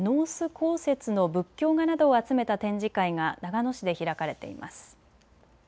香雪の仏教画などを集めた展示会が長野市で開かれています。